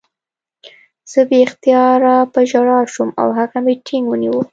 زه بې اختیاره په ژړا شوم او هغه مې ټینګ ونیو